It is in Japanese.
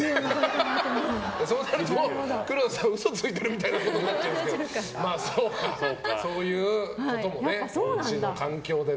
そうなると黒田さん嘘ついてるみたいになっちゃいますけどそういうことも家の環境でね。